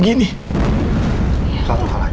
apa gak nyangka elsa bisa berbuat seperti ini